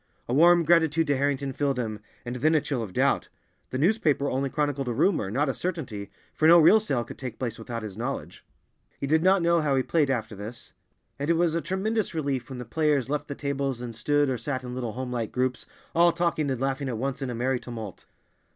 A warm gratitude to Harrington filled him, and then a chill of doubt. The newspaper only chronicled a rumor, not a certainty, for no real sale could take place without his knowledge. He did not know how he played after this, and it was a tremendous relief when the players left the tables and stood or sat in little home like groups, all talking and laughing at once in a merry tumult.